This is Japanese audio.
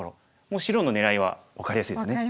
もう白の狙いは分かりやすいですね。